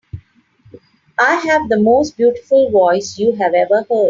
I have the most beautiful voice you have ever heard.